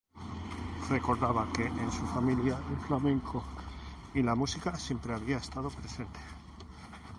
Recordaba que en su familia el flamenco y la música siempre había estado presente.